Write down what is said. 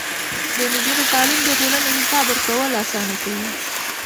د نجونو تعليم د ټولنې حساب ورکول اسانه کوي.